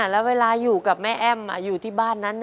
แล้วเวลาอยู่กับแม่แอ้มอยู่ที่บ้านนั้น